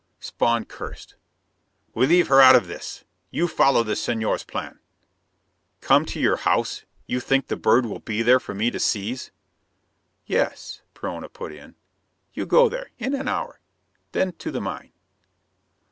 Spawn cursed. "We leave her out of this. You follow the Señor's plan." "Come to your house? You think the bird will be there for me to seize?" "Yes," Perona put in. "You go there; in an hour. Then to the mine."